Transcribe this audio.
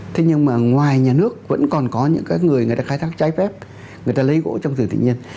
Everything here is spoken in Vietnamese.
thế nhưng mà ngoài nhà nước vẫn còn có những người khai thác trái phép người ta lấy gỗ trong rừng tự nhiên